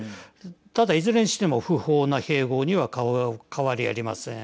ただ、いずれにしても不法な併合には変わりありません。